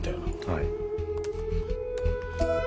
はい。